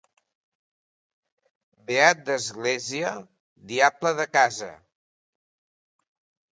Beat d'església, diable de casa.